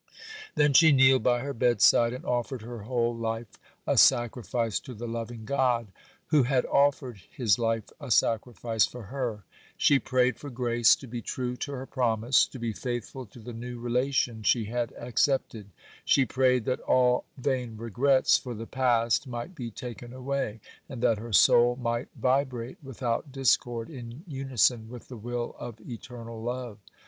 Then she kneeled by her bedside, and offered her whole life a sacrifice to the loving God who had offered His life a sacrifice for her. She prayed for grace to be true to her promise—to be faithful to the new relation she had accepted. She prayed that all vain regrets for the past might be taken away, and that her soul might vibrate without discord in unison with the will of Eternal Love.